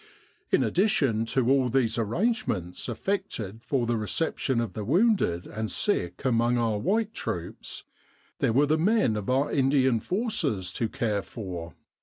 In addition to all these arrangements effected for the reception of the wounded and sick among our white troops, there were the men of our Indian Forces to care for.